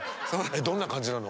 えっどんな感じなの？